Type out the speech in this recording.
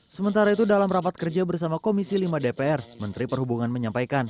sementara itu dalam rapat kerja bersama komisi lima dpr menteri perhubungan menyampaikan